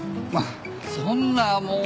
そんなもう。